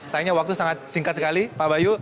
sayangnya waktu sangat singkat sekali pak bayu